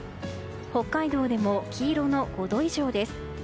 北海道でも、黄色の５度以上です。